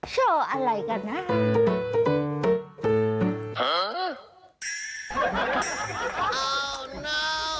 โชว์อะไรกันนะ